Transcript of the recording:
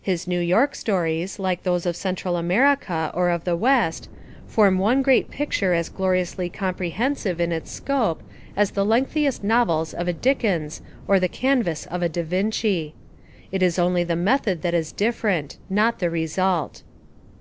His New York stories, like those of Central America or of the west, form 248 The Amazing Genius of O. Henry one great picture as gloriously comprehensive in its scope as the lengthiest novels of a Dickens or the canvas of a Da Vinci. It is only the method that is different, not the result.